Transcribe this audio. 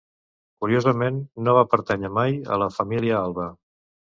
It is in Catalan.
Curiosament, no va pertànyer mai a la família Alba.